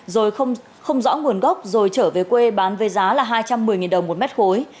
rồi không rõ nguồn gốc rồi trở về quê bán với giá là hai trăm một mươi đồng một mét khối